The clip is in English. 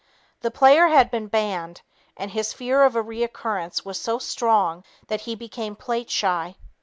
The player had been "beaned," and his fear of a recurrence was so strong that he became "plate shy."